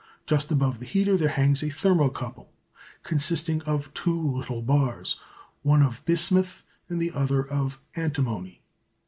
Just above the heater there hangs a thermo couple, consisting of two little bars, one of bismuth and the other of antimony.